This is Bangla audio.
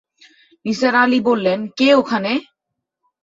নিসার আলি বললেন, কে ওখানে?